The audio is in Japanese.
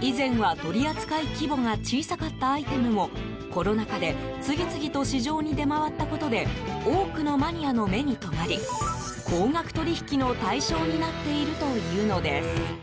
以前は取り扱い規模が小さかったアイテムもコロナ禍で次々と市場に出回ったことで多くのマニアの目に留まり高額取引の対象になっているというのです。